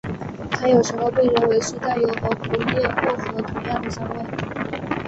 它有时候被认为是带有和普列薄荷同样香味。